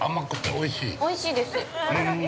◆おいしいです。